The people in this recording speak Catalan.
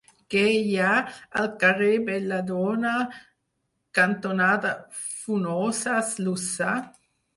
Què hi ha al carrer Belladona cantonada Funoses Llussà?